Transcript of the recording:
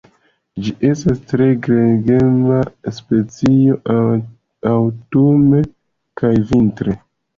Ĝi estas tre gregema specio aŭtune kaj vintre.